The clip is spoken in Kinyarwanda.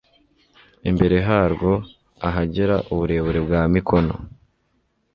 imbere harwo ahagera uburebure bwa mikono